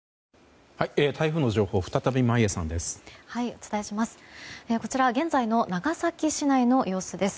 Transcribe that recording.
お伝えします。